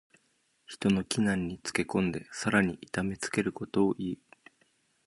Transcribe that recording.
人の危難につけ込んでさらに痛めつけることをいう。